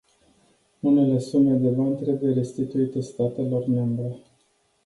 Unele sume de bani trebuie restituite statelor membre.